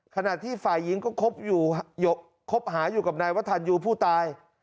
ขนาดที่ฝ่ายหญิงก็คบอยู่คบหาอยู่กับนายวทันยูผู้ตาย